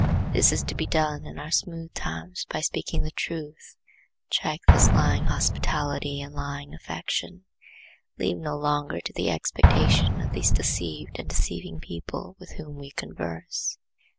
This is to be done in our smooth times by speaking the truth. Check this lying hospitality and lying affection. Live no longer to the expectation of these deceived and deceiving people with whom we converse.